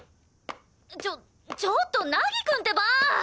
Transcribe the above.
ちょっちょっと凪くんってば！